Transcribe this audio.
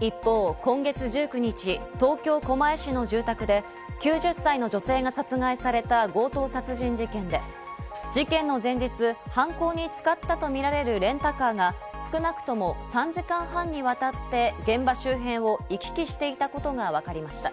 一方、今月１９日、東京・狛江市の住宅で９０歳の女性が殺害された強盗殺人事件で、事件の前日、犯行に使ったとみられるレンタカーが少なくとも３時間半にわたって現場周辺を行き来していたことがわかりました。